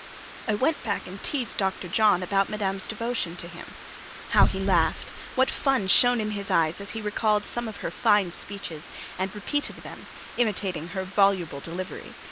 I went back and teased Dr. John about Madame's devotion to him. How he laughed! What fun shone in his eyes as he recalled some of her fine speeches, and repeated them, imitating her voluble delivery!